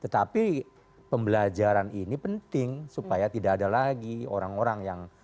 tetapi pembelajaran ini penting supaya tidak ada lagi orang orang yang